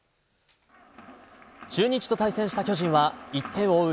中日と対戦した巨人は１点を追う